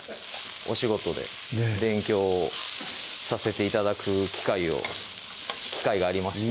お仕事で勉強をさせて頂く機会を機会がありまして